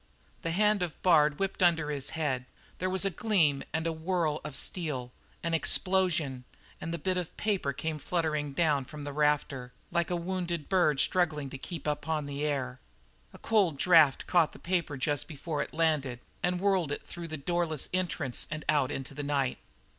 The hand of Bard whipped under his head, there was a gleam and whirl of steel, an explosion, and the bit of paper came fluttering slowly down from the rafter, like a wounded bird struggling to keep upon the air. A draft caught the paper just before it landed and whirled it through the doorless entrance and out into the night.